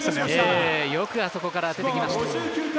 よくあそこから出てきました。